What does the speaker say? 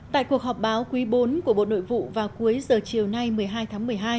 tại cuộc họp báo quý bốn của bộ nội vụ vào cuối giờ chiều nay một mươi hai tháng một mươi hai